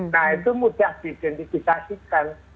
nah itu mudah didentikasikan